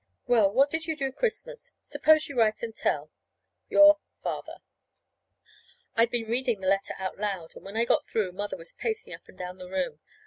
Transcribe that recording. Well, what did you do Christmas? Suppose you write and tell Your FATHER I'd been reading the letter out loud, and when I got through Mother was pacing up and down the room.